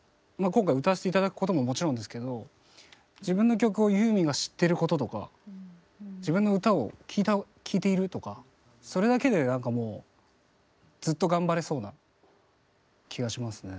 今回歌わして頂くことももちろんですけど自分の曲をユーミンが知ってることとか自分の歌を聴いているとかそれだけでなんかもうずっと頑張れそうな気がしますね。